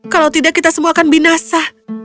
kalau tidak kita semua akan binasa